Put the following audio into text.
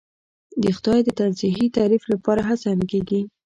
د خدای د تنزیهی تعریف لپاره هڅه نه کېږي.